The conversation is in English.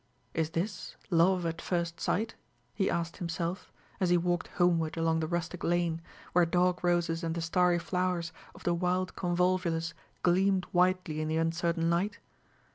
"Is this love at first sight?" he asked himself, as he walked homeward along the rustic lane, where dog roses and the starry flowers of the wild convolvulus gleamed whitely in the uncertain light.